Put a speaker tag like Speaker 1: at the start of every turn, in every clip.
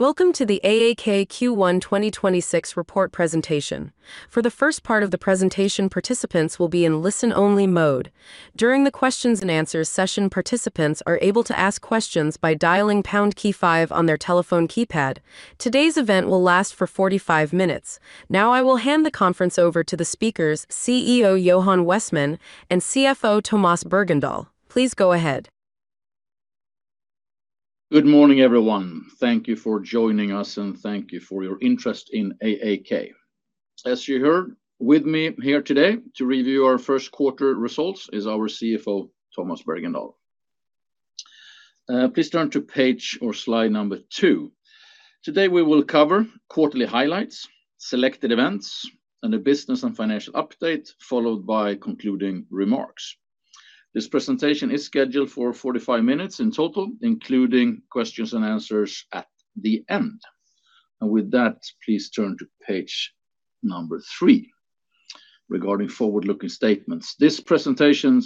Speaker 1: Welcome to the AAK Q1 2026 report presentation. For the first part of the presentation, participants will be in listen-only mode. During the questions and answers session, participants are able to ask questions by dialing pound key five on their telephone keypad. Today's event will last for 45 minutes. Now I will hand the conference over to the speakers, CEO Johan Westman and CFO Tomas Bergendahl. Please go ahead.
Speaker 2: Good morning, everyone. Thank you for joining us, and thank you for your interest in AAK. As you heard, with me here today to review our first quarter results is our CFO, Tomas Bergendahl. Please turn to page or slide two. Today we will cover quarterly highlights, selected events, and a business and financial update, followed by concluding remarks. This presentation is scheduled for 45 minutes in total, including questions and answers at the end. With that, please turn to page three regarding forward-looking statements. This presentation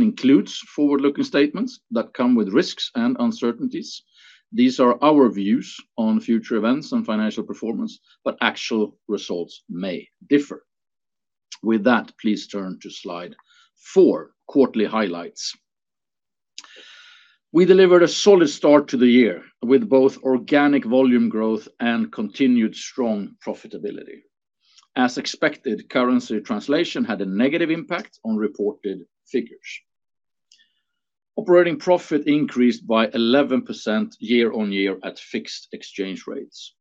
Speaker 2: includes forward-looking statements that come with risks and uncertainties. These are our views on future events and financial performance, but actual results may differ. With that, please turn to slide four, quarterly highlights. We delivered a solid start to the year with both organic volume growth and continued strong profitability. As expected, currency translation had a negative impact on reported figures. Operating profit increased by 11% year-on-year at fixed exchange rates.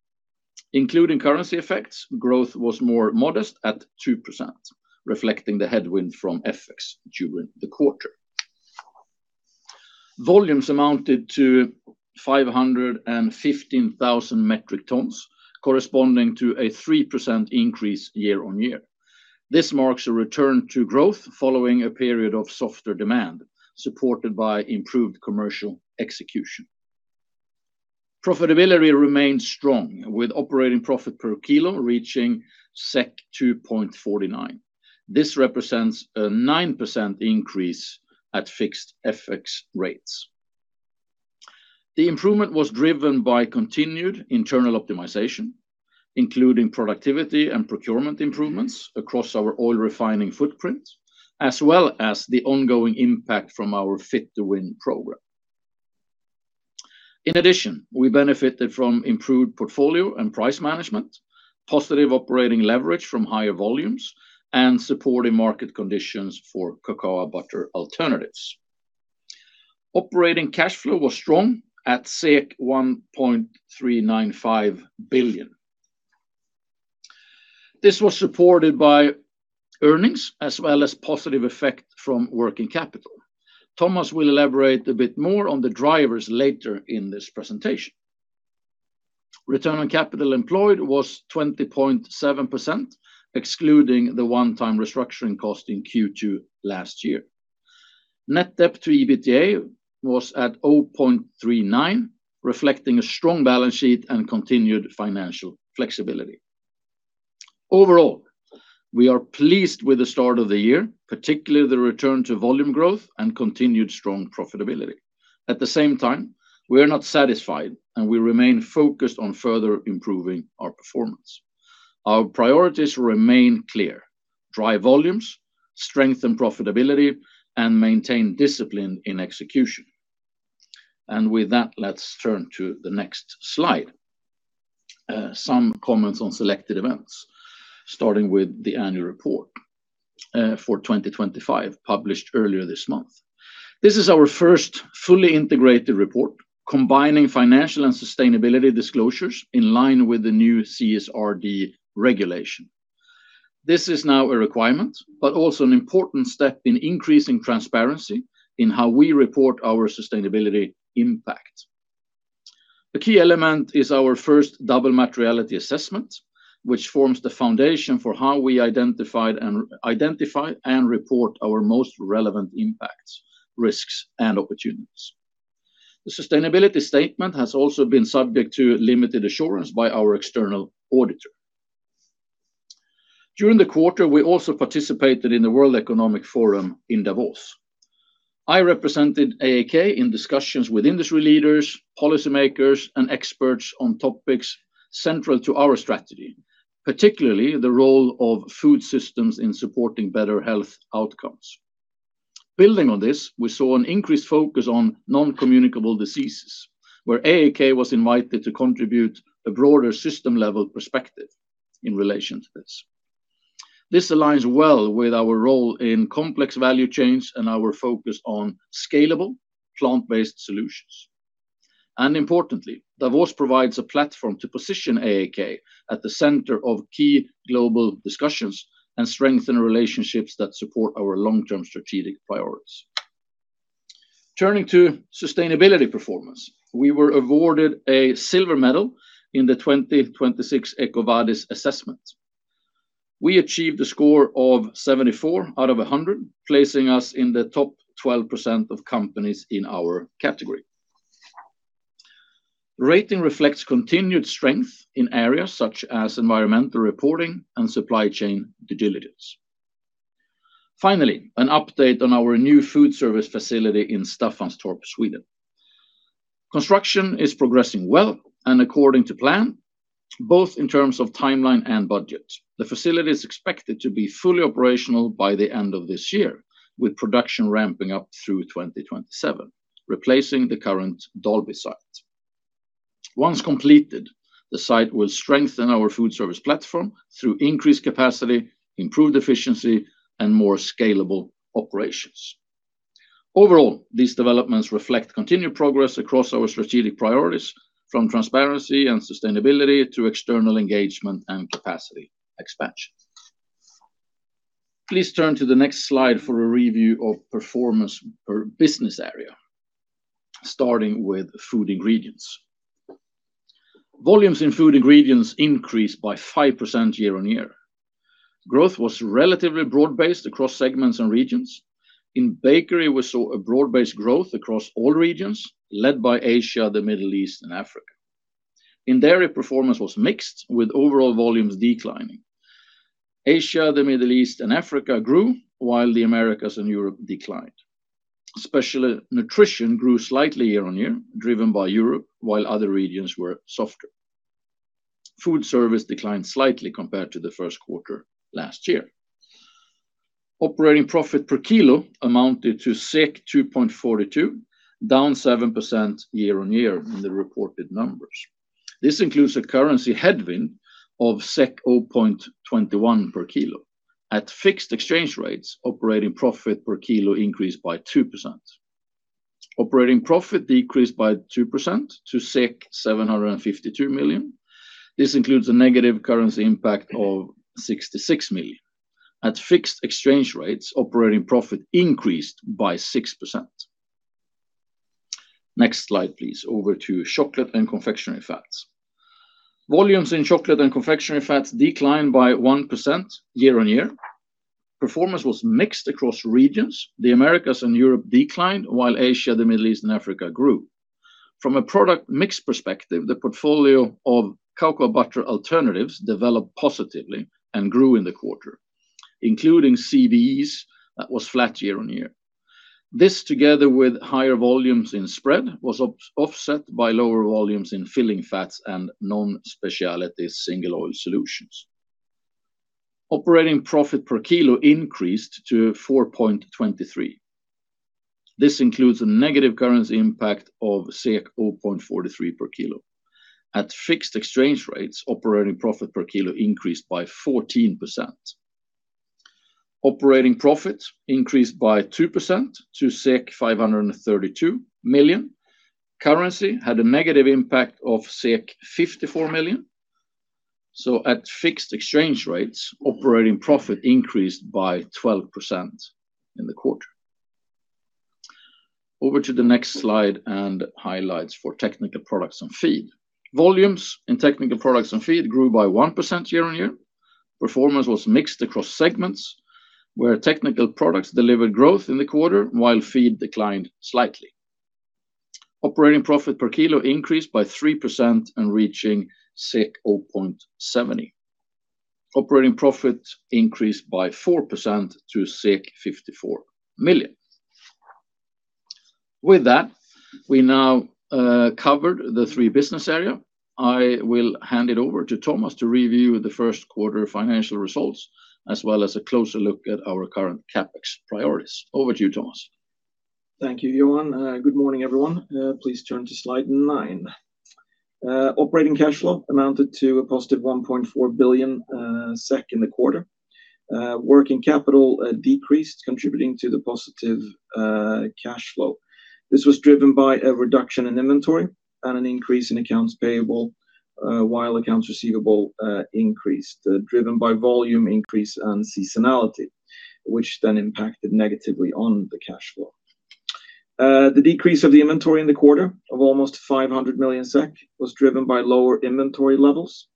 Speaker 2: Including currency effects, growth was more modest at 2%, reflecting the headwind from FX during the quarter. Volumes amounted to 515,000 metric tons, corresponding to a 3% increase year-on-year. This marks a return to growth following a period of softer demand, supported by improved commercial execution. Profitability remains strong, with operating profit per kilo reaching 2.49. This represents a 9% increase at fixed FX rates. The improvement was driven by continued internal optimization, including productivity and procurement improvements across our oil refining footprint, as well as the ongoing impact from our Fit-to-Win program. In addition, we benefited from improved portfolio and price management, positive operating leverage from higher volumes, and supporting market conditions for cocoa butter alternatives. Operating cash flow was strong at 1.395 billion. This was supported by earnings as well as positive effect from working capital. Tomas will elaborate a bit more on the drivers later in this presentation. Return on Capital Employed was 20.7%, excluding the one-time restructuring cost in Q2 last year. Net debt to EBITDA was at 0.39, reflecting a strong balance sheet and continued financial flexibility. Overall, we are pleased with the start of the year, particularly the return to volume growth and continued strong profitability. At the same time, we are not satisfied, and we remain focused on further improving our performance. Our priorities remain clear, drive volumes, strengthen profitability, and maintain discipline in execution. With that, let's turn to the next slide. Some comments on selected events, starting with the annual report for 2025 published earlier this month. This is our first fully integrated report, combining financial and sustainability disclosures in line with the new CSRD regulation. This is now a requirement, but also an important step in increasing transparency in how we report our sustainability impact. A key element is our first double materiality assessment, which forms the foundation for how we identify and report our most relevant impacts, risks, and opportunities. The sustainability statement has also been subject to limited assurance by our external auditor. During the quarter, we also participated in the World Economic Forum in Davos. I represented AAK in discussions with industry leaders, policymakers, and experts on topics central to our strategy, particularly the role of food systems in supporting better health outcomes. Building on this, we saw an increased focus on non-communicable diseases, where AAK was invited to contribute a broader system-level perspective in relation to this. This aligns well with our role in complex value chains and our focus on scalable plant-based solutions. Importantly, Davos provides a platform to position AAK at the center of key global discussions and strengthen relationships that support our long-term strategic priorities. Turning to sustainability performance, we were awarded a silver medal in the 2026 EcoVadis assessment. We achieved a score of 74 out of 100, placing us in the top 12% of companies in our category. Rating reflects continued strength in areas such as environmental reporting and supply chain due diligence. Finally, an update on our new food service facility in Staffanstorp, Sweden. Construction is progressing well and according to plan, both in terms of timeline and budget. The facility is expected to be fully operational by the end of this year, with production ramping up through 2027, replacing the current Dalby site. Once completed, the site will strengthen our food service platform through increased capacity, improved efficiency, and more scalable operations. Overall, these developments reflect continued progress across our strategic priorities, from transparency and sustainability to external engagement and capacity expansion. Please turn to the next slide for a review of performance per business area, starting with Food Ingredients. Volumes in Food Ingredients increased by 5% year-on-year. Growth was relatively broad-based across segments and regions. In bakery, we saw a broad-based growth across all regions, led by Asia, the Middle East, and Africa. In dairy, performance was mixed, with overall volumes declining. Asia, the Middle East, and Africa grew, while the Americas and Europe declined. Special Nutrition grew slightly year-over-year, driven by Europe, while other regions were softer. Food service declined slightly compared to the first quarter last year. Operating profit per kilo amounted to 2.42, down 7% year-over-year in the reported numbers. This includes a currency headwind of 0.21 per kilo. At fixed exchange rates, operating profit per kilo increased by 2%. Operating profit decreased by 2% to 752 million. This includes a negative currency impact of 66 million. At fixed exchange rates, operating profit increased by 6%. Next slide, please. Over to Chocolate and Confectionery Fats. Volumes in Chocolate and Confectionery Fats declined by 1% year-over-year. Performance was mixed across regions. The Americas and Europe declined while Asia, the Middle East, and Africa grew. From a product mix perspective, the portfolio of cocoa butter alternatives developed positively and grew in the quarter, including CBEs that was flat year-on-year. This, together with higher volumes in spread, was offset by lower volumes in filling fats and non-specialty single oil solutions. Operating profit per kilo increased to 4.23. This includes a negative currency impact of 0.43 per kilo. At fixed exchange rates, operating profit per kilo increased by 14%. Operating profit increased by 2% to 532 million. Currency had a negative impact of 54 million. At fixed exchange rates, operating profit increased by 12% in the quarter. Over to the next slide and highlights for Technical Products & Feed. Volumes in Technical Products & Feed grew by 1% year-on-year. Performance was mixed across segments, where technical products delivered growth in the quarter while feed declined slightly. Operating profit per kilo increased by 3% and reaching 0.70. Operating profit increased by 4% to 54 million. With that, we now covered the three business area. I will hand it over to Tomas to review the first quarter financial results, as well as a closer look at our current CapEx priorities. Over to you, Tomas.
Speaker 3: Thank you, Johan. Good morning, everyone. Please turn to slide nine. Operating cash flow amounted to a positive 1.4 billion SEK in the quarter. Working capital decreased, contributing to the positive cash flow. This was driven by a reduction in inventory and an increase in accounts payable, while accounts receivable increased, driven by volume increase and seasonality, which then impacted negatively on the cash flow. The decrease of the inventory in the quarter of almost 500 million SEK was driven by lower inventory levels,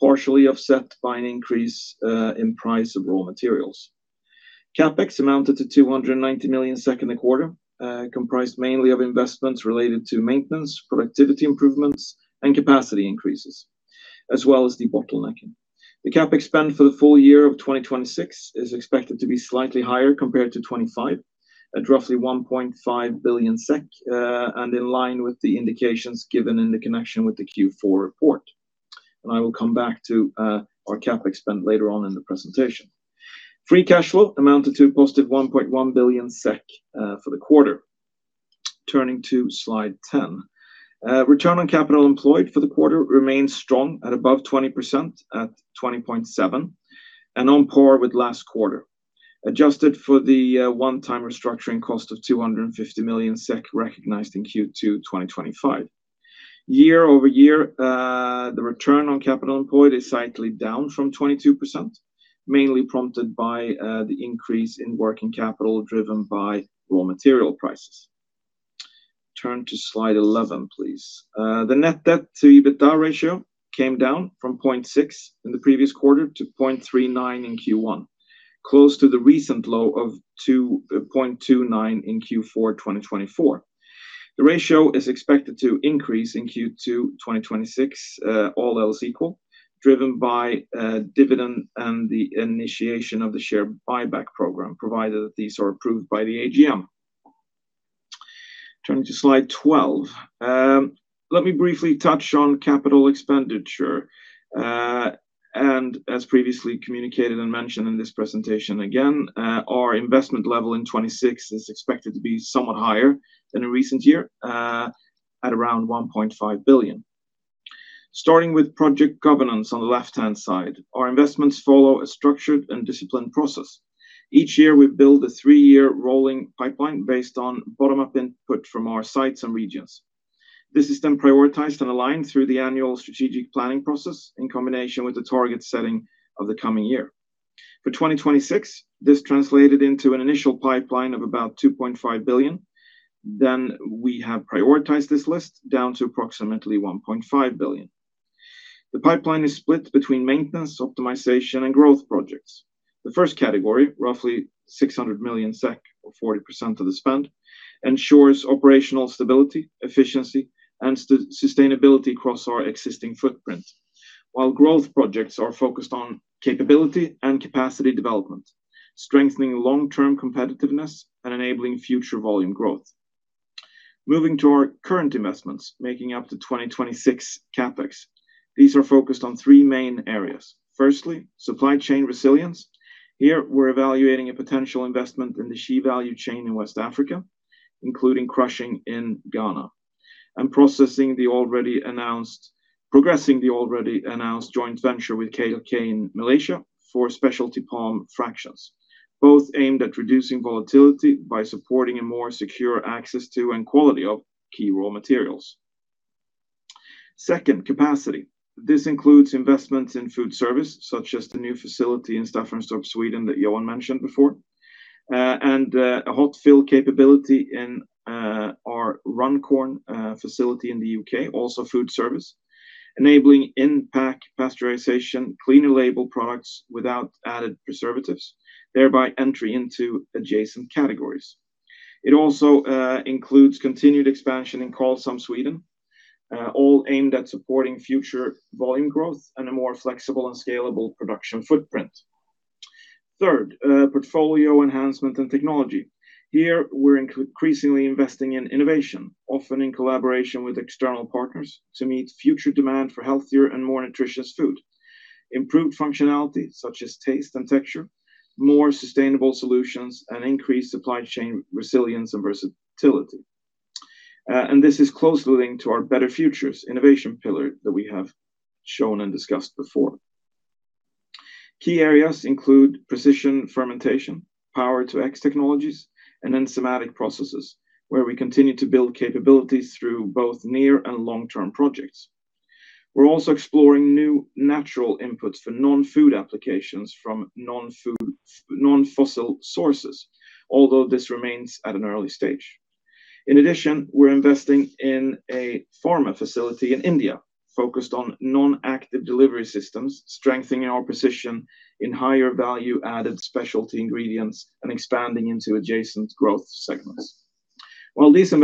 Speaker 3: partially offset by an increase in price of raw materials. CapEx amounted to 290 million in the quarter, comprised mainly of investments related to maintenance, productivity improvements, and capacity increases, as well as the debottlenecking. The CapEx spend for the full year of 2026 is expected to be slightly higher compared to 2025 at roughly 1.5 billion SEK and in line with the indications given in the connection with the Q4 report. I will come back to our CapEx spend later on in the presentation. Free cash flow amounted to a positive 1.1 billion SEK for the quarter. Turning to slide 10. Return on Capital Employed for the quarter remains strong at above 20% at 20.7% and on par with last quarter. Adjusted for the one-time restructuring cost of 250 million SEK recognized in Q2 2025. Year-over-year, the Return on Capital Employed is slightly down from 22%, mainly prompted by the increase in working capital driven by raw material prices. Turn to slide 11, please. The net debt-to-EBITDA ratio came down from 0.6 in the previous quarter to 0.39 in Q1, close to the recent low of 0.29 in Q4 2024. The ratio is expected to increase in Q2 2026, all else equal, driven by dividend and the initiation of the share buyback program, provided that these are approved by the AGM. Turning to slide 12. Let me briefly touch on capital expenditure. As previously communicated and mentioned in this presentation again, our investment level in 2026 is expected to be somewhat higher than in recent year, at around 1.5 billion. Starting with project governance on the left-hand side, our investments follow a structured and disciplined process. Each year, we build a three-year rolling pipeline based on bottom-up input from our sites and regions. This is then prioritized and aligned through the annual strategic planning process in combination with the target setting of the coming year. For 2026, this translated into an initial pipeline of about 2.5 billion, then we have prioritized this list down to approximately 1.5 billion. The pipeline is split between maintenance, optimization, and growth projects. The first category, roughly 600 million SEK or 40% of the spend, ensures operational stability, efficiency, and sustainability across our existing footprint. While growth projects are focused on capability and capacity development, strengthening long-term competitiveness and enabling future volume growth. Moving to our current investments, making up to 2026 CapEx, these are focused on three main areas. Firstly, supply chain resilience. Here, we're evaluating a potential investment in the shea value chain in West Africa, including crushing in Ghana, and progressing the already announced joint venture with KLK in Malaysia for specialty palm fractions, both aimed at reducing volatility by supporting a more secure access to and quality of key raw materials. Second, capacity. This includes investments in food service, such as the new facility in Staffanstorp, Sweden, that Johan mentioned before, and a hot fill capability in our Runcorn facility in the U.K., also food service, enabling in-pack pasteurization, cleaner label products without added preservatives, thereby entry into adjacent categories. It also includes continued expansion in Karlshamn, Sweden, all aimed at supporting future volume growth and a more flexible and scalable production footprint. Third, portfolio enhancement and technology. Here, we're increasingly investing in innovation, often in collaboration with external partners to meet future demand for healthier and more nutritious food, improved functionality such as taste and texture, more sustainable solutions, and increased supply chain resilience and versatility. This is closely linked to our Better Futures innovation pillar that we have shown and discussed before. Key areas include precision fermentation, Power2X technologies, and enzymatic processes, where we continue to build capabilities through both near and long-term projects. We're also exploring new natural inputs for non-food applications from non-fossil sources, although this remains at an early stage. In addition, we're investing in a pharma facility in India focused on non-active delivery systems, strengthening our position in higher value added specialty ingredients and expanding into adjacent growth segments. While these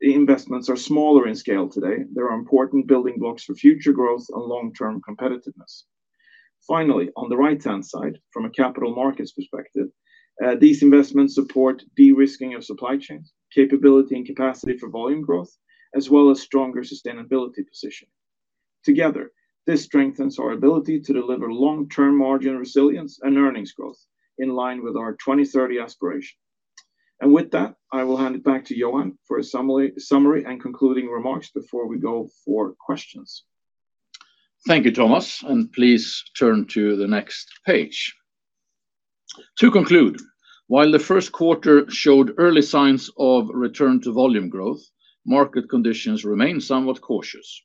Speaker 3: investments are smaller in scale today, there are important building blocks for future growth and long-term competitiveness. Finally, on the right-hand side, from a capital markets perspective, these investments support de-risking of supply chains, capability and capacity for volume growth, as well as stronger sustainability positioning. Together, this strengthens our ability to deliver long-term margin resilience and earnings growth in line with our 2030 aspiration. With that, I will hand it back to Johan for a summary and concluding remarks before we go for questions.
Speaker 2: Thank you, Tomas, and please turn to the next page. To conclude, while the first quarter showed early signs of return to volume growth, market conditions remain somewhat cautious.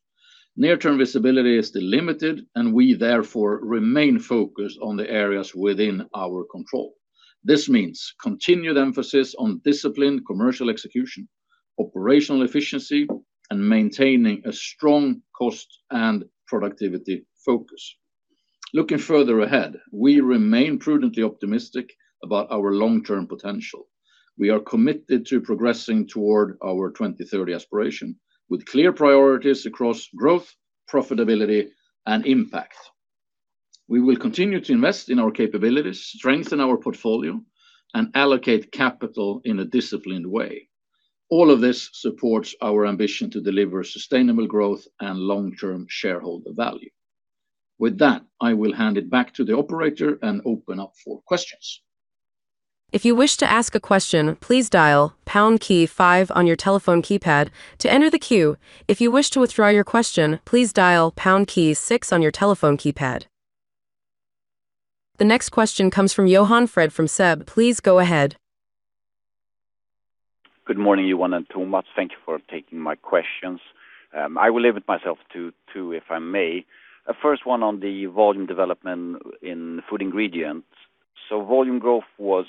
Speaker 2: Near-term visibility is still limited, and we therefore remain focused on the areas within our control. This means continued emphasis on disciplined commercial execution, operational efficiency, and maintaining a strong cost and productivity focus. Looking further ahead, we remain prudently optimistic about our long-term potential. We are committed to progressing toward our 2030 aspiration with clear priorities across growth, profitability, and impact. We will continue to invest in our capabilities, strengthen our portfolio, and allocate capital in a disciplined way. All of this supports our ambition to deliver sustainable growth and long-term shareholder value. With that, I will hand it back to the operator and open up for questions.
Speaker 1: If you wish to ask a question, please dial pound key, five on your telephone keypad to enter the queue. If you wish to withdraw your question please dial pound key six on your telephone keypad. The next question comes from Johan Fred from SEB. Please go ahead.
Speaker 4: Good morning, Johan and Tomas. Thank you for taking my questions. I will limit myself to two, if I may. First one on the volume development in Food Ingredients. Volume growth was,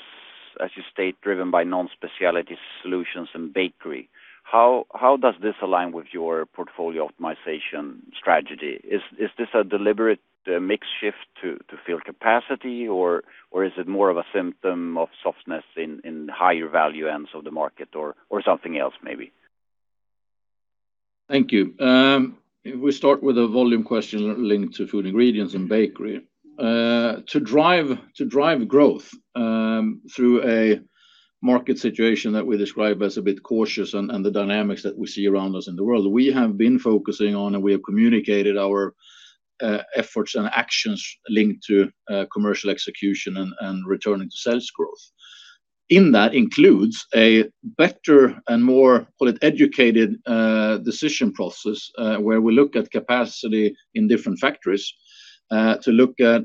Speaker 4: as you state, driven by non-specialty solutions and bakery. How does this align with your portfolio optimization strategy? Is this a deliberate mix shift to fill capacity or is it more of a symptom of softness in higher value ends of the market or something else maybe?
Speaker 2: Thank you. If we start with a volume question linked to Food Ingredients and Bakery. To drive growth through a market situation that we describe as a bit cautious and the dynamics that we see around us in the world, we have been focusing on, and we have communicated our efforts and actions linked to commercial execution and returning to sales growth. That includes a better and more, call it, educated decision process where we look at capacity in different factories to look at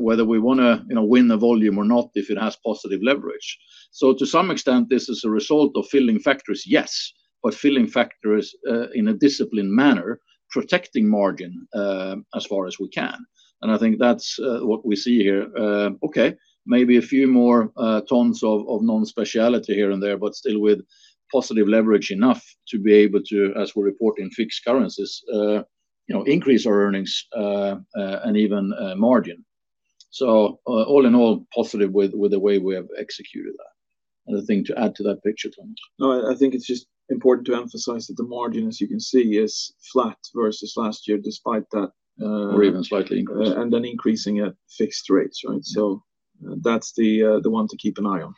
Speaker 2: whether we wanna, you know, win the volume or not if it has positive leverage. To some extent, this is a result of filling factories, yes, but filling factories in a disciplined manner, protecting margin as far as we can. I think that's what we see here. Okay, maybe a few more tons of non-specialty here and there, but still with positive leverage enough to be able to, as we report in fixed currencies, you know, increase our earnings and even margin. All in all, positive with the way we have executed that. Anything to add to that picture, Tom?
Speaker 3: No, I think it's just important to emphasize that the margin, as you can see, is flat versus last year despite that.
Speaker 2: Even slightly increased.
Speaker 3: increasing at fixed rates, right? That's the one to keep an eye on.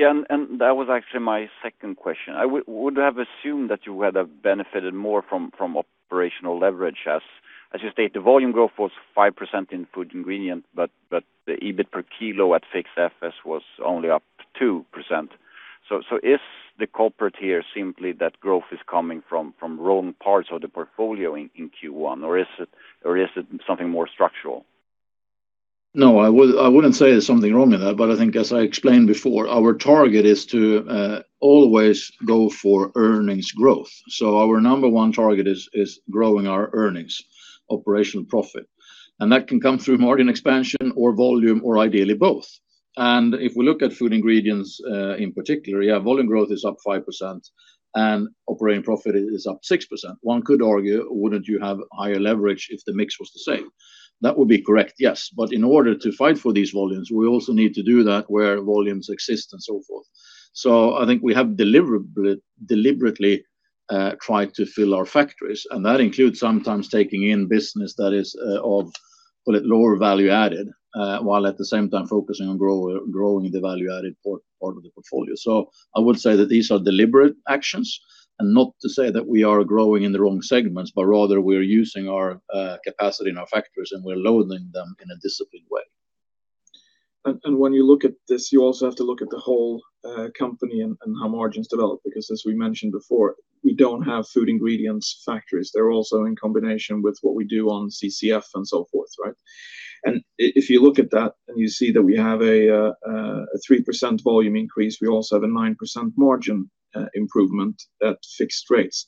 Speaker 2: Yeah.
Speaker 4: That was actually my second question. I would have assumed that you would have benefited more from operational leverage as you state the volume growth was 5% in Food Ingredients, but the EBIT per kilo at fixed FX was only up 2%. Is the culprit here simply that growth is coming from wrong parts of the portfolio in Q1? Or is it something more structural?
Speaker 2: No, I would, I wouldn't say there's something wrong in that. I think as I explained before, our target is to always go for earnings growth. Our number one target is growing our earnings, operational profit, and that can come through margin expansion or volume or ideally both. If we look at Food Ingredients in particular, yeah, volume growth is up 5% and operating profit is up 6%. One could argue, "Wouldn't you have higher leverage if the mix was the same?" That would be correct, yes. In order to fight for these volumes, we also need to do that where volumes exist and so forth. I think we have deliberately tried to fill our factories, and that includes sometimes taking in business that is, of, call it, lower value added, while at the same time focusing on growing the value-added part of the portfolio. I would say that these are deliberate actions and not to say that we are growing in the wrong segments, but rather we're using our capacity in our factories and we're loading them in a disciplined way.
Speaker 3: When you look at this, you also have to look at the whole company and how margins develop because as we mentioned before, we don't have Food Ingredients factories. They're also in combination with what we do on CCF and so forth, right? If you look at that and you see that we have a 3% volume increase, we also have a 9% margin improvement at fixed rates.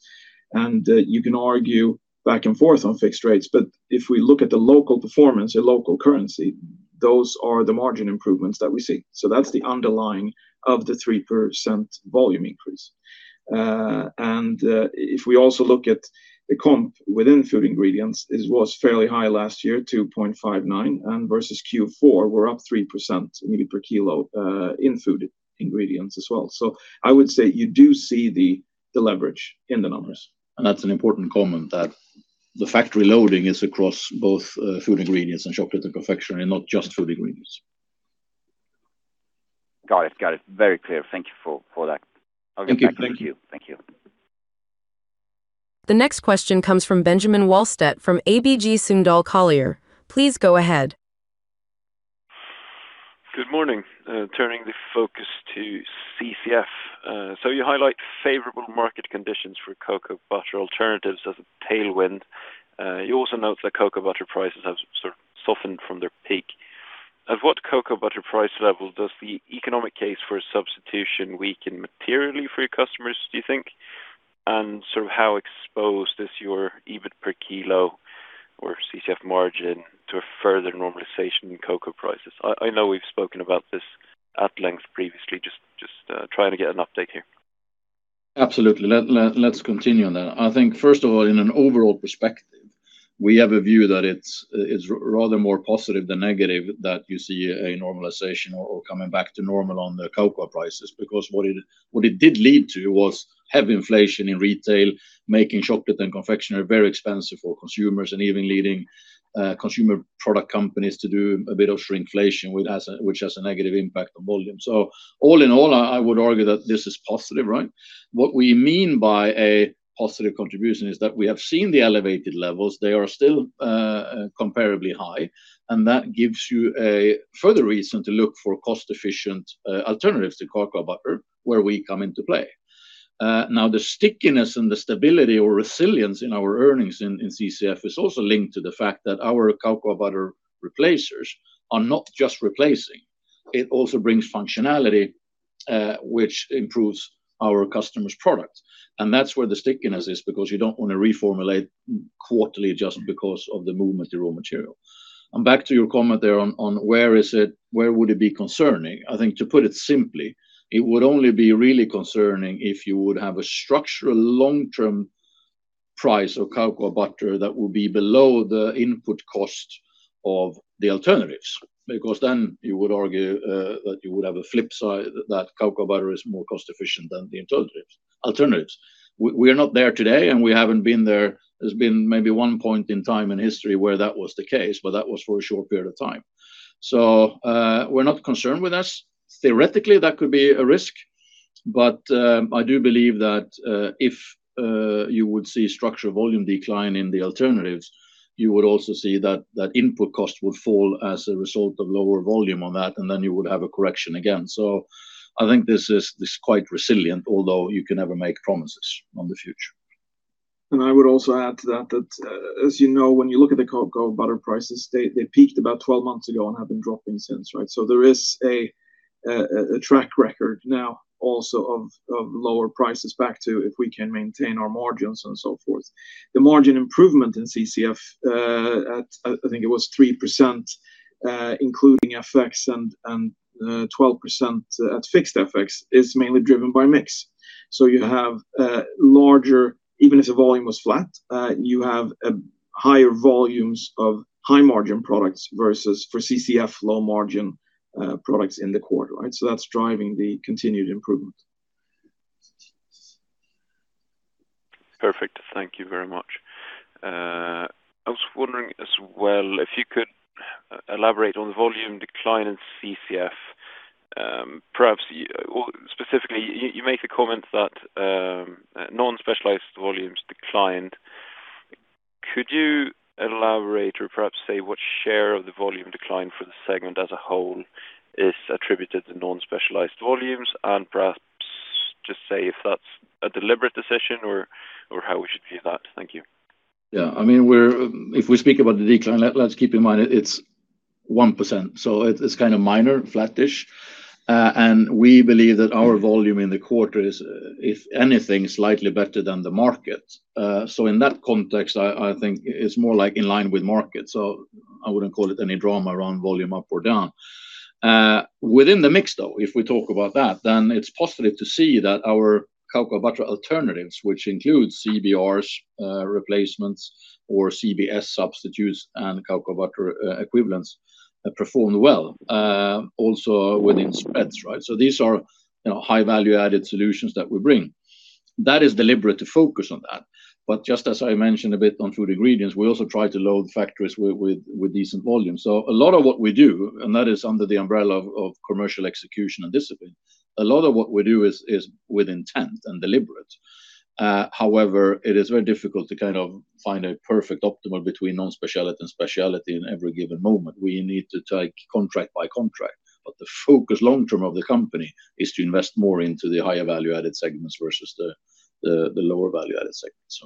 Speaker 3: You can argue back and forth on fixed rates, but if we look at the local performance, the local currency, those are the margin improvements that we see. That's the underlying of the 3% volume increase. If we also look at the comp within Food Ingredients, it was fairly high last year, 2.59%, and versus Q4, we're up 3% EBIT per kilo in Food Ingredients as well. I would say you do see the leverage in the numbers.
Speaker 2: That's an important comment that the factory loading is across both Food Ingredients and Chocolate and Confectionery, and not just Food Ingredients.
Speaker 4: Got it. Very clear. Thank you for that.
Speaker 3: Thank you.
Speaker 4: I'll get back to you. Thank you.
Speaker 1: The next question comes from Benjamin Wahlstedt from ABG Sundal Collier. Please go ahead.
Speaker 5: Good morning. Turning the focus to CCF. You highlight favorable market conditions for cocoa butter alternatives as a tailwind. You also note that cocoa butter prices have sort of softened from their peak. At what cocoa butter price level does the economic case for substitution weaken materially for your customers, do you think? Sort of how exposed is your EBIT per kilo or CCF margin to a further normalization in cocoa prices? I know we've spoken about this at length previously. Just trying to get an update here.
Speaker 2: Absolutely. Let's continue on that. I think first of all, in an overall perspective, we have a view that it's rather more positive than negative that you see a normalization or coming back to normal on the cocoa prices. Because what it did lead to was heavy inflation in retail, making chocolate and confectionery very expensive for consumers and even leading consumer product companies to do a bit of shrinkflation, which has a negative impact on volume. All in all, I would argue that this is positive, right? What we mean by a positive contribution is that we have seen the elevated levels. They are still comparably high, and that gives you a further reason to look for cost-efficient alternatives to cocoa butter, where we come into play. Now the stickiness and the stability or resilience in our earnings in CCF is also linked to the fact that our cocoa butter replacers are not just replacing. It also brings functionality, which improves our customers' product, and that's where the stickiness is because you don't wanna reformulate quarterly just because of the movement in raw material. Back to your comment there on where would it be concerning? I think to put it simply, it would only be really concerning if you would have a structural long-term price of cocoa butter that will be below the input cost of the alternatives because then you would argue that you would have a flip side that cocoa butter is more cost efficient than the alternatives. We're not there today, and we haven't been there. There's been maybe one point in time in history where that was the case, but that was for a short period of time. We're not concerned with this. Theoretically, that could be a risk, but I do believe that if you would see structural volume decline in the alternatives, you would also see that input cost would fall as a result of lower volume on that, and then you would have a correction again. I think this is quite resilient, although you can never make promises on the future.
Speaker 3: I would also add to that, as you know, when you look at the cocoa butter prices, they peaked about 12 months ago and have been dropping since, right? There is a track record now also of lower prices back to if we can maintain our margins and so forth. The margin improvement in CCF, at, I think it was 3%, including FX and 12% at fixed FX, is mainly driven by mix. You have larger. Even if the volume was flat, you have higher volumes of high-margin products versus for CCF low-margin products in the quarter, right? That's driving the continued improvement.
Speaker 5: Perfect. Thank you very much. I was wondering as well if you could elaborate on the volume decline in CCF. Perhaps, or specifically, you make the comment that non-specialized volumes declined. Could you elaborate or perhaps say what share of the volume decline for the segment as a whole is attributed to non-specialized volumes? Perhaps just say if that's a deliberate decision or how we should view that. Thank you.
Speaker 2: Yeah. I mean, if we speak about the decline, let's keep in mind it's 1%, so it's kind of minor, flat-ish. We believe that our volume in the quarter is, if anything, slightly better than the market. In that context, I think it's more like in line with market, so I wouldn't call it any drama around volume up or down. Within the mix though, if we talk about that, it's positive to see that our cocoa butter alternatives, which includes CBRs, replacements or CBS substitutes and cocoa butter equivalents, performed well, also within spreads, right? These are, you know, high-value added solutions that we bring. That is deliberate to focus on that, but just as I mentioned a bit on Food Ingredients, we also try to load factories with decent volume. A lot of what we do, and that is under the umbrella of commercial execution and discipline, a lot of what we do is with intent and deliberate. However, it is very difficult to kind of find a perfect optimal between non-specialty and specialty in every given moment. We need to take contract by contract. The focus long-term of the company is to invest more into the higher value-added segments versus the lower value-added segments.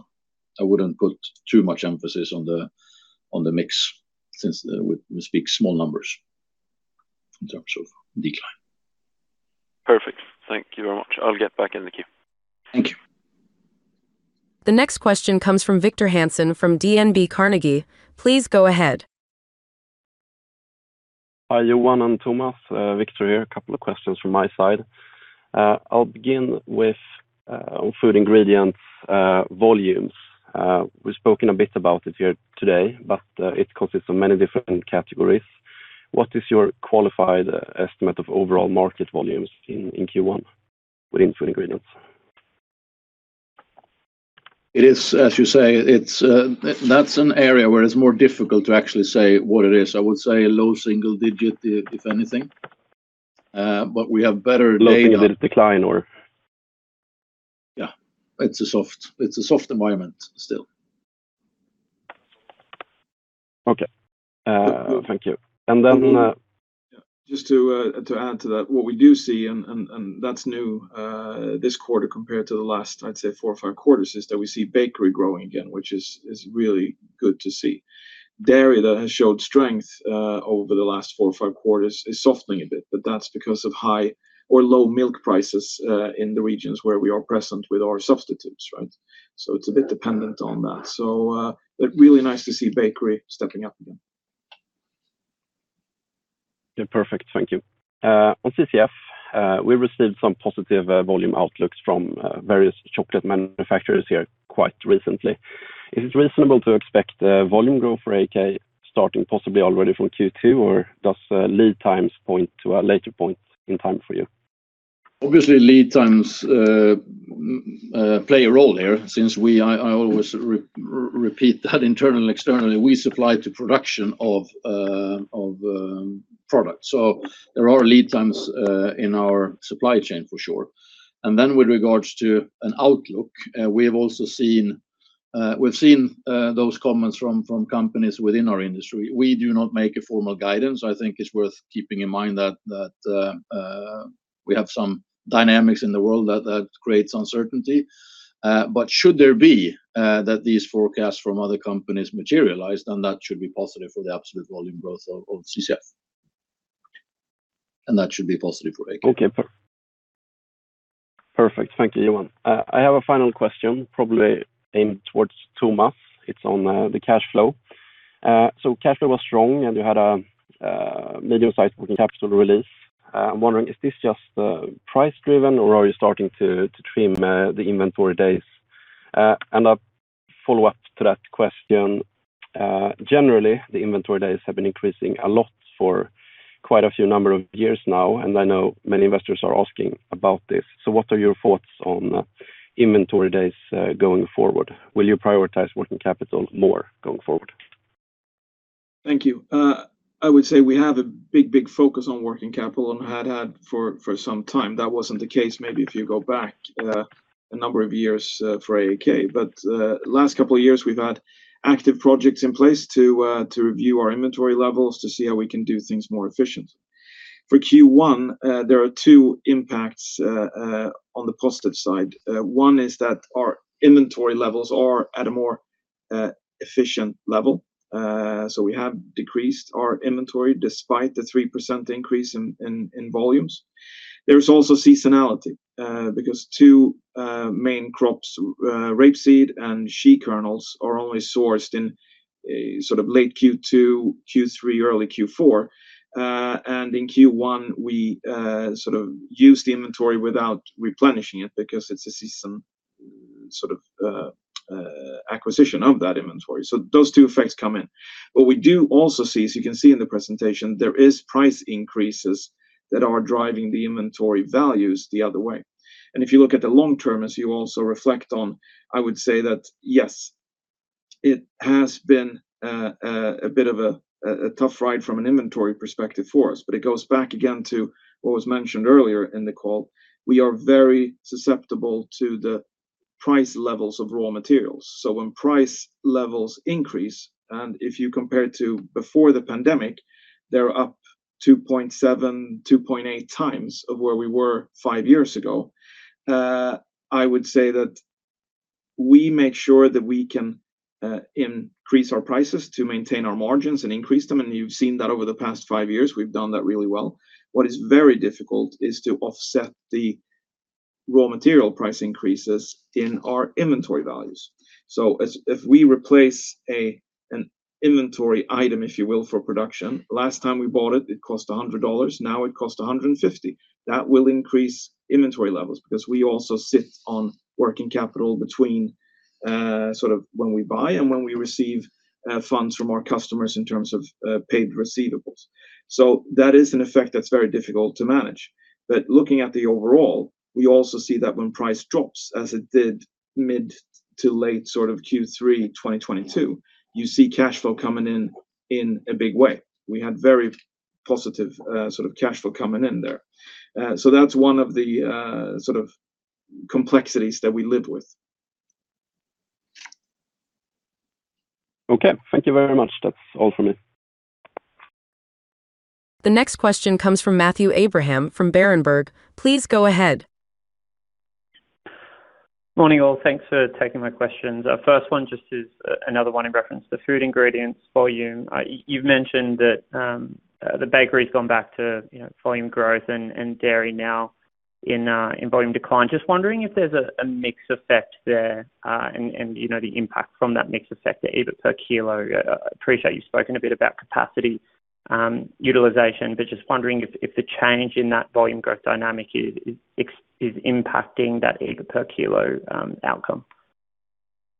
Speaker 2: I wouldn't put too much emphasis on the mix since we speak small numbers in terms of decline.
Speaker 5: Perfect. Thank you very much. I'll get back in the queue.
Speaker 3: Thank you.
Speaker 1: The next question comes from Victor Hansen from DNB Carnegie. Please go ahead.
Speaker 6: Hi, Johan and Tomas. Victor here. A couple of questions from my side. I'll begin with on Food Ingredients volumes. We've spoken a bit about it here today, but it consists of many different categories. What is your qualified estimate of overall market volumes in Q1 within Food Ingredients?
Speaker 2: As you say, it's that an area where it's more difficult to actually say what it is. I would say low single digit if anything. But we have better data-
Speaker 6: Low single-digit decline or?
Speaker 2: Yeah. It's a soft environment still.
Speaker 6: Okay. Thank you.
Speaker 3: Just to add to that, what we do see, and that's new this quarter compared to the last, I'd say, four or five quarters, is that we see bakery growing again, which is really good to see. Dairy that has showed strength over the last four or five quarters is softening a bit. That's because of high or low milk prices in the regions where we are present with our substitutes, right? Really nice to see bakery stepping up again.
Speaker 6: Yeah. Perfect. Thank you. On CCF, we received some positive volume outlooks from various chocolate manufacturers here quite recently. Is it reasonable to expect volume growth for AAK starting possibly already from Q2, or does lead times point to a later point in time for you?
Speaker 2: Obviously, lead times play a role here since I always repeat that internally and externally. We supply to production of product. There are lead times in our supply chain for sure. With regards to an outlook, we've seen those comments from companies within our industry. We do not make a formal guidance. I think it's worth keeping in mind that we have some dynamics in the world that creates uncertainty. Should there be that these forecasts from other companies materialize, then that should be positive for the absolute volume growth of CCF. That should be positive for AAK.
Speaker 6: Okay. Perfect. Thank you, Johan. I have a final question probably aimed towards Tomas. It's on the cash flow. Cash flow was strong, and you had a medium-sized working capital release. I'm wondering, is this just price driven or are you starting to trim the inventory days? And a follow-up to that question, generally, the inventory days have been increasing a lot for quite a few number of years now, and I know many investors are asking about this. What are your thoughts on inventory days going forward? Will you prioritize working capital more going forward?
Speaker 3: Thank you. I would say we have a big focus on working capital and had for some time. That wasn't the case maybe if you go back a number of years for AAK. Last couple of years, we've had active projects in place to review our inventory levels to see how we can do things more efficiently. For Q1, there are two impacts on the positive side. One is that our inventory levels are at a more efficient level. So we have decreased our inventory despite the 3% increase in volumes. There is also seasonality because two main crops, rapeseed and shea kernels are only sourced in sort of late Q2, Q3, early Q4. In Q1, we sort of use the inventory without replenishing it because it's a seasonal sort of acquisition of that inventory. Those two effects come in. What we also see, as you can see in the presentation, there is price increases that are driving the inventory values the other way. If you look at the long term, as you also reflect on, I would say that, yes, it has been a bit of a tough ride from an inventory perspective for us. It goes back again to what was mentioned earlier in the call. We are very susceptible to the price levels of raw materials. When price levels increase, and if you compare to before the pandemic, they're up 2.7x, 2.8x of where we were five years ago. I would say that we make sure that we can increase our prices to maintain our margins and increase them, and you've seen that over the past five years. We've done that really well. What is very difficult is to offset the raw material price increases in our inventory values. If we replace an inventory item, if you will, for production, last time we bought it cost $100. Now it costs $150. That will increase inventory levels because we also sit on working capital between sort of when we buy and when we receive funds from our customers in terms of paid receivables. That is an effect that's very difficult to manage. Looking at the overall, we also see that when price drops, as it did mid to late sort of Q3 2022, you see cash flow coming in in a big way. We had very positive, sort of cash flow coming in there. That's one of the, sort of complexities that we live with.
Speaker 6: Okay. Thank you very much. That's all from me.
Speaker 1: The next question comes from Matthew Abraham from Berenberg. Please go ahead.
Speaker 7: Morning, all. Thanks for taking my questions. First one just is another one in reference to Food Ingredients volume. You've mentioned that the bakery's gone back to, you know, volume growth and dairy now in volume decline. Just wondering if there's a mix effect there and you know the impact from that mix effect to EBIT per kilo. Appreciate you've spoken a bit about capacity utilization, but just wondering if the change in that volume growth dynamic is impacting that EBIT per kilo outcome.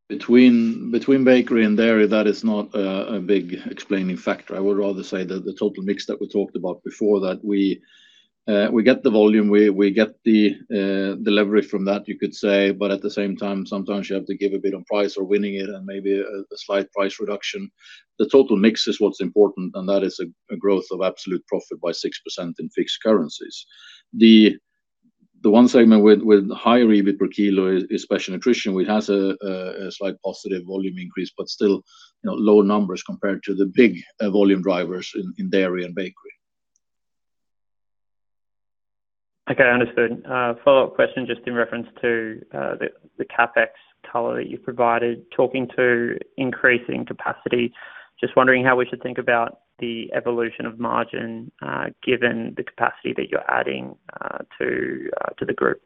Speaker 2: Between bakery and dairy, that is not a big explaining factor. I would rather say that the total mix that we talked about before, that we get the volume, we get the leverage from that, you could say. At the same time, sometimes you have to give a bit on price or winning it and maybe a slight price reduction. The total mix is what's important, and that is a growth of absolute profit by 6% in fixed currencies. The one segment with higher EBIT per kilo is Special Nutrition, which has a slight positive volume increase, but still, you know, low numbers compared to the big volume drivers in dairy and bakery.
Speaker 7: Okay. Understood. Follow-up question just in reference to the CapEx color that you provided, talking about increasing capacity. Just wondering how we should think about the evolution of margin, given the capacity that you're adding to the group.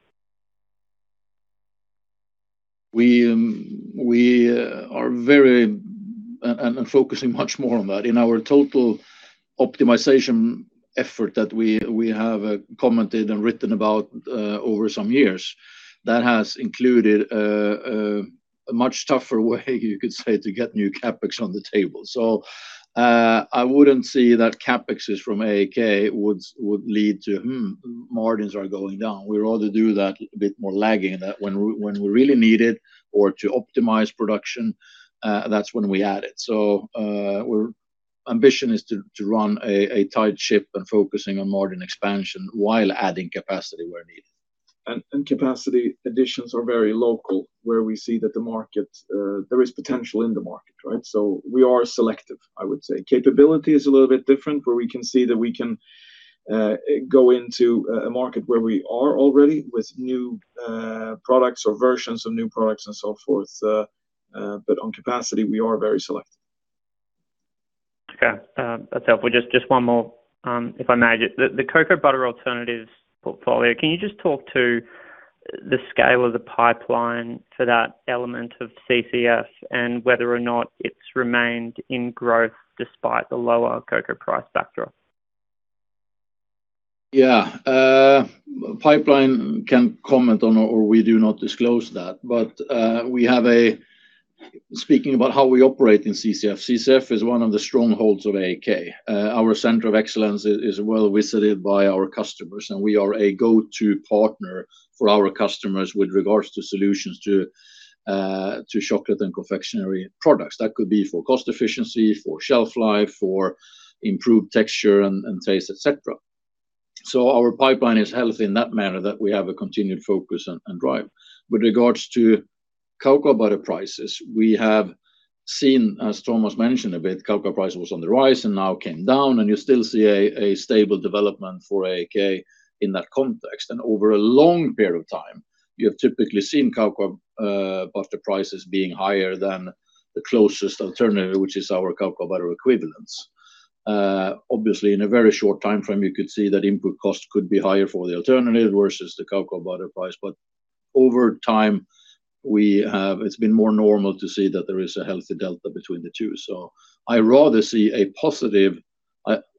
Speaker 2: We are focusing much more on that. In our total optimization effort that we have commented and written about over some years, that has included a much tougher way you could say to get new CapEx on the table. I wouldn't say that CapEx from AAK would lead to "margins are going down." We'd rather do that a bit more lagging, that when we really need it or to optimize production, that's when we add it. Our ambition is to run a tight ship and focusing on margin expansion while adding capacity where needed.
Speaker 3: Capacity additions are very local, where we see that the market, there is potential in the market, right? We are selective, I would say. Capability is a little bit different, where we can see that we can go into a market where we are already with new products or versions of new products and so forth. On capacity, we are very selective.
Speaker 7: Okay. That's helpful. Just one more, if I may. The cocoa butter alternatives portfolio, can you just talk to the scale of the pipeline for that element of CCF and whether or not it's remained in growth despite the lower cocoa price backdrop?
Speaker 2: Yeah. We cannot comment on pipeline or we do not disclose that. Speaking about how we operate in CCF is one of the strongholds of AAK. Our center of excellence is well visited by our customers, and we are a go-to partner for our customers with regards to solutions to chocolate and confectionery products. That could be for cost efficiency, for shelf life, for improved texture and taste, et cetera. Our pipeline is healthy in that manner that we have a continued focus and drive. With regards to cocoa butter prices, we have seen, as Tomas mentioned a bit, cocoa price was on the rise and now came down, and you still see a stable development for AAK in that context. Over a long period of time, you have typically seen cocoa butter prices being higher than the closest alternative, which is our cocoa butter equivalents. Obviously, in a very short timeframe, you could see that input costs could be higher for the alternative versus the cocoa butter price. Over time, it's been more normal to see that there is a healthy delta between the two. I rather see a positive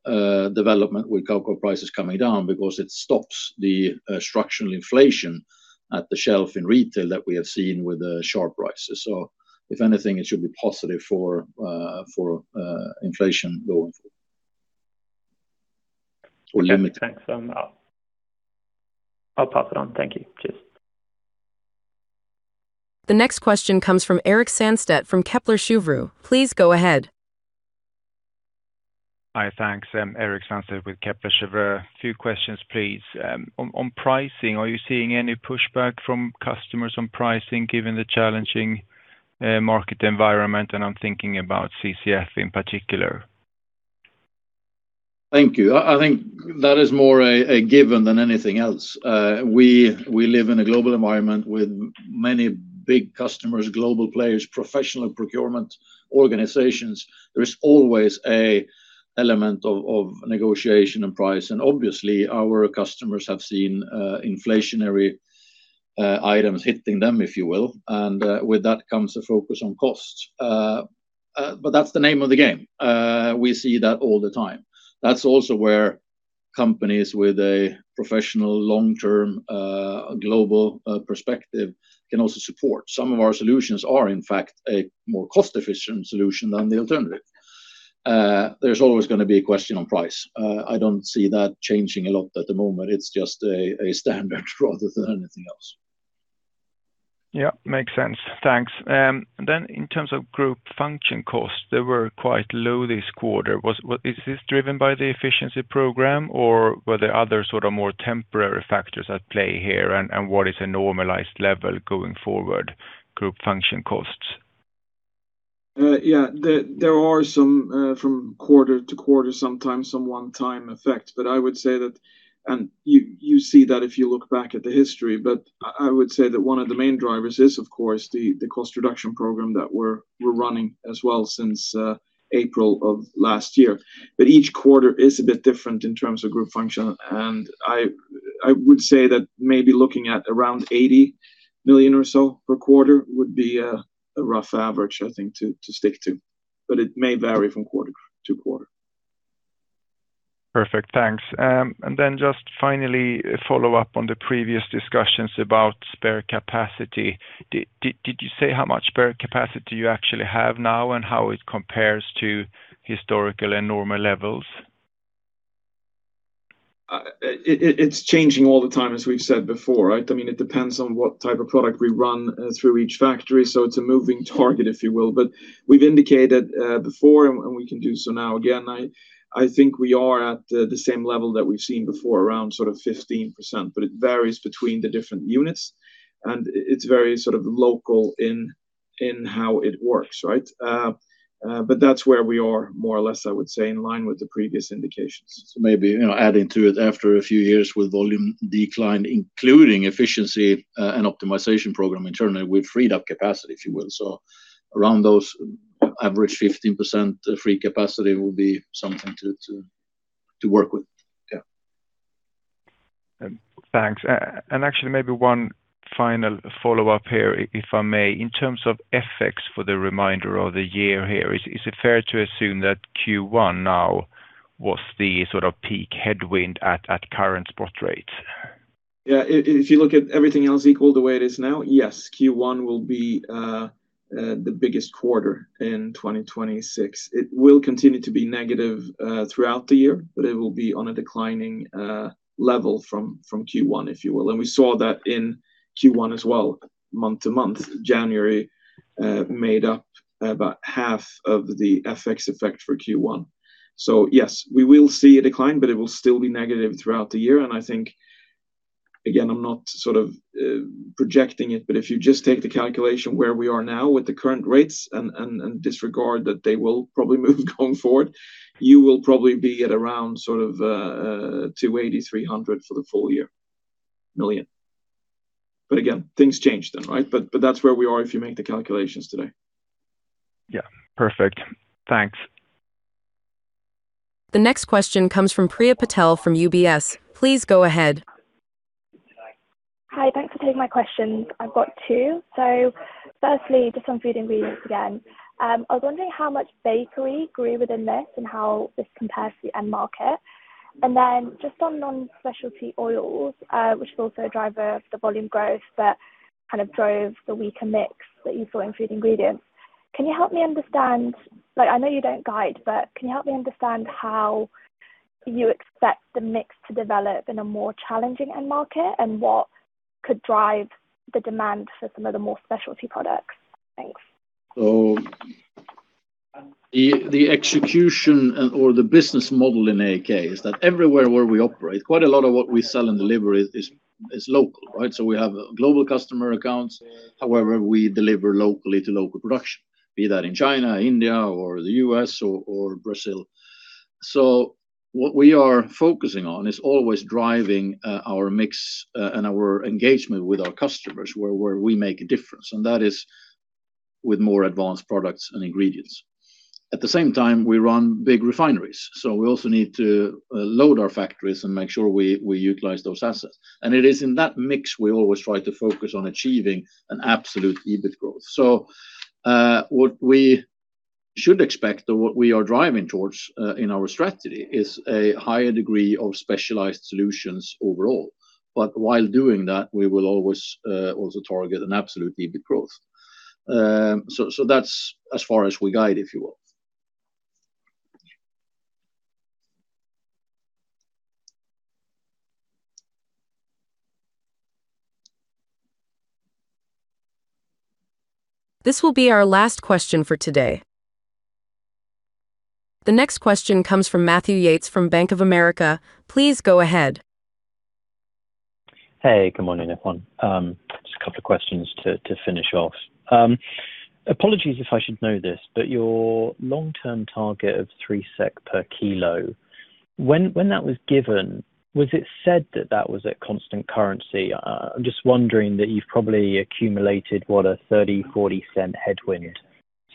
Speaker 2: development with cocoa prices coming down because it stops the structural inflation at the shelf in retail that we have seen with the chocolate prices. If anything, it should be positive for inflation going forward.
Speaker 7: Okay. Thanks. I'll pass it on. Thank you. Cheers.
Speaker 1: The next question comes from Erik Sandstedt from Kepler Cheuvreux. Please go ahead.
Speaker 8: Hi. Thanks. I'm Erik Sandstedt with Kepler Cheuvreux. Few questions, please. On pricing, are you seeing any pushback from customers on pricing given the challenging market environment? I'm thinking about CCF in particular.
Speaker 2: Thank you. I think that is more a given than anything else. We live in a global environment with many big customers, global players, professional procurement organizations. There is always an element of negotiation and price. Obviously, our customers have seen inflationary items hitting them, if you will. With that comes a focus on cost. But that's the name of the game. We see that all the time. That's also where companies with a professional long-term global perspective can also support. Some of our solutions are, in fact, a more cost-efficient solution than the alternative. There's always gonna be a question on price. I don't see that changing a lot at the moment. It's just a standard rather than anything else.
Speaker 8: Yeah. Makes sense. Thanks. In terms of group function costs, they were quite low this quarter. Is this driven by the efficiency program, or were there other sort of more temporary factors at play here? What is a normalized level going forward, group function costs?
Speaker 3: Yeah. There are some from quarter-to-quarter, sometimes some one-time effects. I would say that you see that if you look back at the history. I would say that one of the main drivers is, of course, the cost reduction program that we're running as well since April of last year. Each quarter is a bit different in terms of group function, and I would say that maybe looking at around 80 million or so per quarter would be a rough average, I think, to stick to. It may vary from quarter-to-quarter.
Speaker 8: Perfect. Thanks. Just finally, a follow-up on the previous discussions about spare capacity. Did you say how much spare capacity you actually have now and how it compares to historical and normal levels?
Speaker 3: It's changing all the time, as we've said before, right? I mean, it depends on what type of product we run through each factory, so it's a moving target, if you will. We've indicated before and we can do so now again. I think we are at the same level that we've seen before, around sort of 15%, but it varies between the different units and it's very sort of local in how it works, right? That's where we are more or less, I would say, in line with the previous indications.
Speaker 2: Maybe, you know, adding to it after a few years with volume decline, including efficiency, and optimization program internally, we've freed up capacity, if you will. Around those average 15% free capacity will be something to work with. Yeah.
Speaker 8: Thanks. Actually maybe one final follow-up here, if I may. In terms of FX for the remainder of the year here, is it fair to assume that Q1 now was the sort of peak headwind at current spot rates?
Speaker 3: Yeah. If you look at everything else equal the way it is now, yes, Q1 will be the biggest quarter in 2026. It will continue to be negative throughout the year, but it will be on a declining level from Q1, if you will. We saw that in Q1 as well, month-to-month. January made up about half of the FX effect for Q1. Yes, we will see a decline, but it will still be negative throughout the year. I think, again, I'm not sort of projecting it, but if you just take the calculation where we are now with the current rates and disregard that they will probably move going forward, you will probably be at around 280 million-300 million for the full year. Again, things change then, right? That's where we are if you make the calculations today.
Speaker 8: Yeah. Perfect. Thanks.
Speaker 1: The next question comes from Priya Patel from UBS. Please go ahead.
Speaker 9: Hi, thanks for taking my questions. I've got two. Firstly, just on Food Ingredients again. I was wondering how much bakery grew within this and how this compares to end market. Then just on non-specialty oils, which is also a driver of the volume growth that kind of drove the weaker mix that you saw in Food Ingredients. Can you help me understand, like I know you don't guide, but can you help me understand how you expect the mix to develop in a more challenging end market and what could drive the demand for some of the more specialty products? Thanks.
Speaker 2: The execution or the business model in AAK is that everywhere where we operate, quite a lot of what we sell and deliver is local, right? We have global customer accounts, however, we deliver locally to local production, be that in China, India or the U.S. or Brazil. What we are focusing on is always driving our mix and our engagement with our customers where we make a difference, and that is with more advanced products and ingredients. At the same time, we run big refineries, so we also need to load our factories and make sure we utilize those assets. It is in that mix we always try to focus on achieving an absolute EBIT growth. What we should expect or what we are driving towards in our strategy is a higher degree of specialized solutions overall. While doing that, we will always also target an absolute EBIT growth. That's as far as we guide, if you will.
Speaker 1: This will be our last question for today. The next question comes from Matthew Yates from Bank of America. Please go ahead.
Speaker 10: Hey, good morning, everyone. Just a couple of questions to finish off. Apologies if I should know this, but your long-term target of 3 SEK per kilo, when that was given, was it said that that was at constant currency? I'm just wondering that you've probably accumulated what a 0.30, 0.40 headwind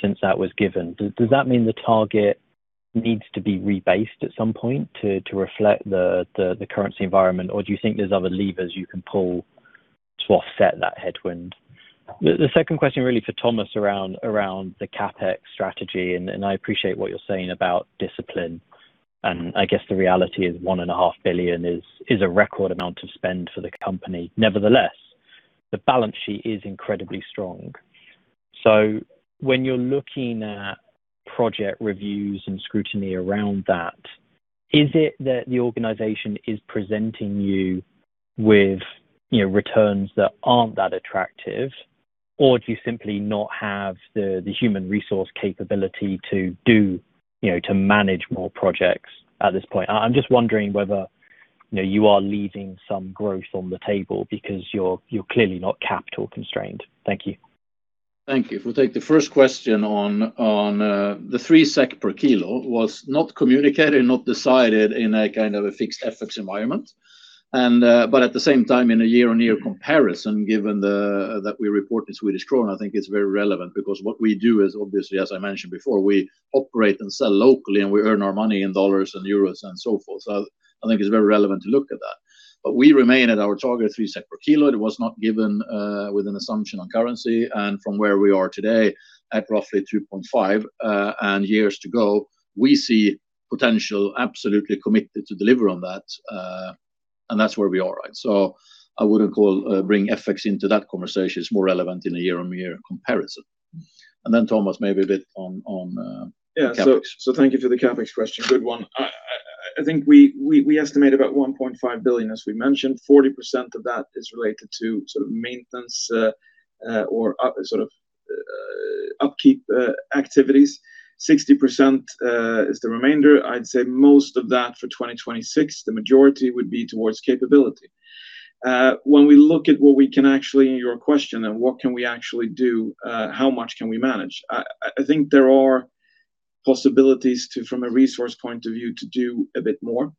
Speaker 10: since that was given. Does that mean the target needs to be rebased at some point to reflect the currency environment, or do you think there's other levers you can pull to offset that headwind? The second question really for Tomas around the CapEx strategy, and I appreciate what you're saying about discipline, and I guess the reality is 1.5 billion is a record amount to spend for the company. Nevertheless, the balance sheet is incredibly strong. When you're looking at project reviews and scrutiny around that, is it that the organization is presenting you with, you know, returns that aren't that attractive, or do you simply not have the human resource capability to do, you know, to manage more projects at this point? I'm just wondering whether, you know, you are leaving some growth on the table because you're clearly not capital constrained. Thank you.
Speaker 2: Thank you. If we take the first question on the 3 SEK per kilo was not communicated, not decided in a kind of a fixed FX environment. But at the same time, in a year-on-year comparison, given that we report in Swedish krona, I think it's very relevant because what we do is obviously, as I mentioned before, we operate and sell locally, and we earn our money in dollars and euros and so forth. I think it's very relevant to look at that. We remain at our target of 3 SEK per kilo. It was not given with an assumption on currency. From where we are today, at roughly 2.5 SEK, and years to go, we see potential, absolutely committed to deliver on that. That's where we are, right? I wouldn't call bringing FX into that conversation. It's more relevant in a year-on-year comparison. Then Tomas, maybe a bit on CapEx.
Speaker 3: Thank you for the CapEx question. Good one. I think we estimate about 1.5 billion, as we mentioned. 40% of that is related to sort of maintenance or sort of upkeep activities. 60% is the remainder. I'd say most of that for 2026, the majority would be towards capability. When we look at what we can actually, your question then, what can we actually do, how much can we manage? I think there are possibilities to, from a resource point of view, to do a bit more,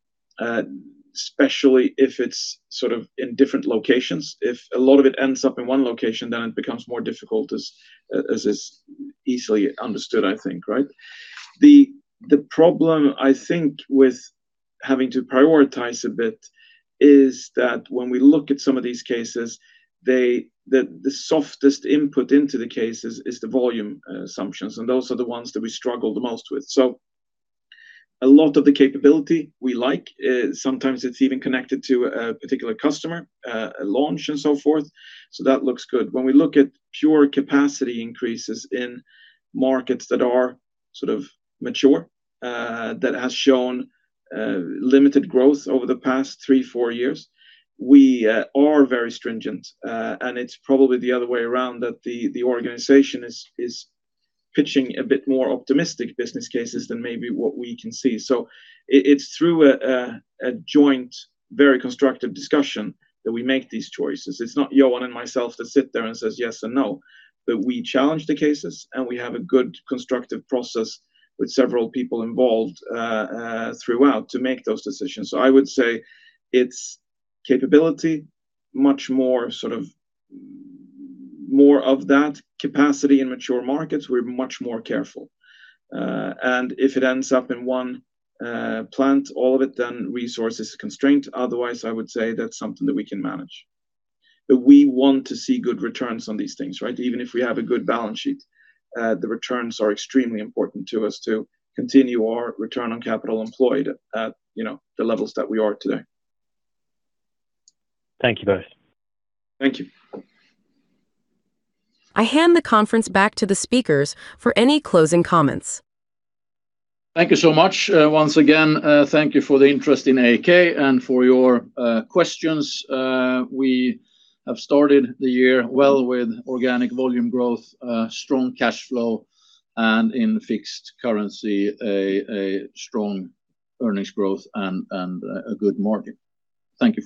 Speaker 3: especially if it's sort of in different locations. If a lot of it ends up in one location, then it becomes more difficult as is easily understood, I think, right? The problem I think with having to prioritize a bit is that when we look at some of these cases, the softest input into the cases is the volume assumptions, and those are the ones that we struggle the most with. A lot of the capability we like, sometimes it's even connected to a particular customer, a launch and so forth, so that looks good. When we look at pure capacity increases in markets that are sort of mature, that has shown limited growth over the past three, four years, we are very stringent. It's probably the other way around that the organization is pitching a bit more optimistic business cases than maybe what we can see. It's through a joint, very constructive discussion that we make these choices. It's not Johan and myself that sit there and says yes and no, but we challenge the cases, and we have a good constructive process with several people involved throughout to make those decisions. I would say it's capability, much more sort of that capacity in mature markets. We're much more careful. If it ends up in one plant, all of it, then resource is a constraint. Otherwise, I would say that's something that we can manage. We want to see good returns on these things, right? Even if we have a good balance sheet, the returns are extremely important to us to continue our Return on Capital Employed at, you know, the levels that we are today.
Speaker 10: Thank you both.
Speaker 3: Thank you.
Speaker 1: I hand the conference back to the speakers for any closing comments.
Speaker 2: Thank you so much. Once again, thank you for the interest in AAK and for your questions. We have started the year well with organic volume growth, strong cash flow, and in fixed currency a strong earnings growth and a good margin. Thank you for listening.